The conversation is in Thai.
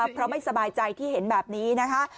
เพราะไม่สบายใจที่เห็นแบบนี้นะคะ